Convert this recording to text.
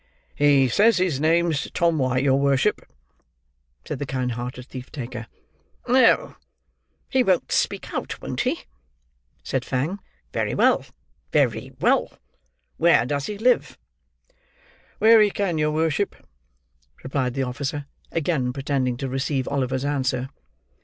"He says his name's Tom White, your worship," said the kind hearted thief taker. "Oh, he won't speak out, won't he?" said Fang. "Very well, very well. Where does he live?" "Where he can, your worship," replied the officer; again pretending to receive Oliver's answer.